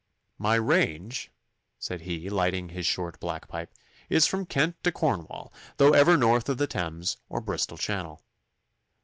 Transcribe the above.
'My range,' said he, lighting his short, black pipe, 'is from Kent to Cornwall, though never north of the Thames or Bristol Channel.